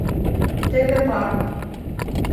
Теве парк.